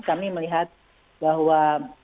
kami melihat bahwa